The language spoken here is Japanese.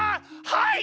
はい！